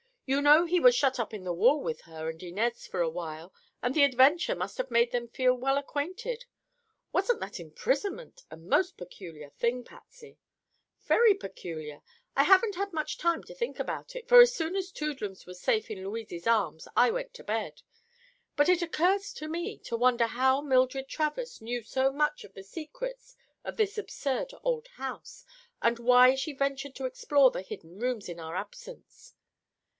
"You know he was shut up in the wall with her and Inez for awhile and the adventure must have made them feel well acquainted. Wasn't that imprisonment a most peculiar thing, Patsy?" "Very peculiar. I haven't had much time to think about it, for as soon as Toodlums was safe in Louise's arms I went to bed. But it occurs to me to wonder how Mildred Travers knew so much of the secrets of this absurd old house and why she ventured to explore the hidden rooms in our absence.